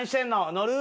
「乗る？」